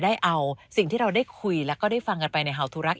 ได้เอาสิ่งที่เราได้คุยแล้วก็ได้ฟังกันไปในหาวธุรักษ